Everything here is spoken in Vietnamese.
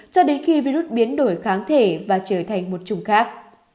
cho đến khi virus biến đổi kháng thể và trở thành một chủng khác